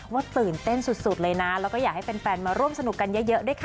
ตื่นเต้นสุดเลยนะแล้วก็อยากให้แฟนมาร่วมสนุกกันเยอะด้วยค่ะ